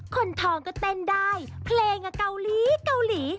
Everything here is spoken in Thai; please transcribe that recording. คนทองก็เต้นได้เพลงเกาหลีเกาหลี